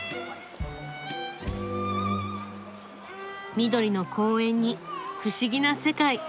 緑の公園に不思議な世界。